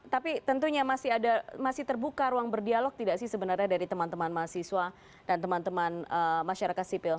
tapi tentunya masih terbuka ruang berdialog tidak sih sebenarnya dari teman teman mahasiswa dan teman teman masyarakat sipil